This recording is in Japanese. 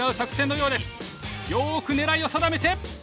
よく狙いを定めて。